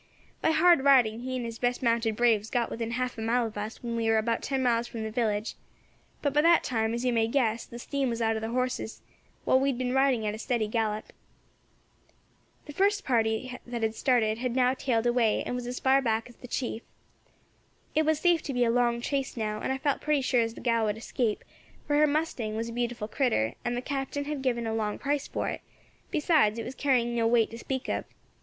By hard riding he and his best mounted braves got within half a mile of us when we war about ten miles from the village. But by that time, as you may guess, the steam was out of their horses, while we had been riding at a steady gallop. "The first party that had started had now tailed away, and was as far back as the chief. It was safe to be a long chase now, and I felt pretty sure as the gal would escape, for her mustang was a beautiful critter, and the Captain had given a long price for it; besides, it was carrying no weight to speak of.